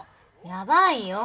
やばいよ。